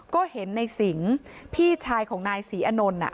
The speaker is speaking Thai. ก็เห็นในสิงพี่ชายของนายศรีอนนท์